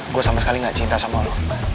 gue sama sekali gak cinta sama lo